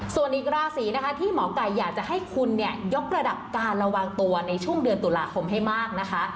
ส่วนอีกราศีนะคะที่หมอไก่อยากจะให้คุณเนี่ยยกระดับการระวังตัวในช่วงเดือนตุลาคมให้มากนะคะ